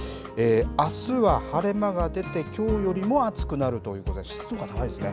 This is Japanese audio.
あすは晴れ間が出てきょうよりも暑くなるということで湿度が高いですね。